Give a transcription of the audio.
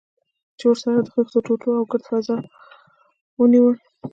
چې ورسره د خښتو ټوټو او ګرد فضا ونیول.